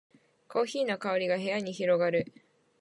コーヒーの香りが部屋に広がる